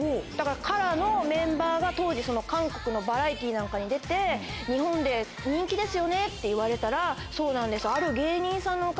ＫＡＲＡのメンバーが当時韓国のバラエティーなんかに出て日本で人気ですよねって言われたらそうなんです。